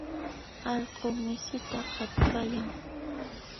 Allqu misita qatipayan.